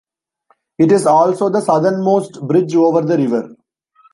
It is also the southernmost bridge over the river.